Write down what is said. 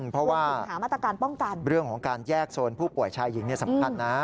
เพราะว่าเรื่องของการแยกโซนผู้ป่วยชายหญิงสำคัญนะ